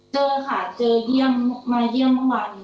เจอค่ะเจอมาเยี่ยมเมื่อวาน